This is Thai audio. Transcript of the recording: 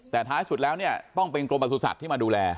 แต่ท้ายสุดแล้วเนี่ยต้องเป็นกรมประสุทธิ์ที่มาดูแล